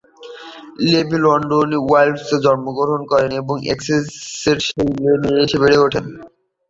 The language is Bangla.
লেভি লন্ডনের উইম্বলেডনে জন্মগ্রহণ করেন এবং এসেক্সের লেই-অন-সিতে বেড়ে ওঠেন।